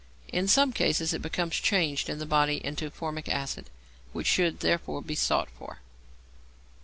In some cases it becomes changed in the body into formic acid, which should therefore be sought for.